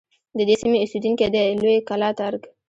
د دې سیمې اوسیدونکي دی لویې کلا ته ارگ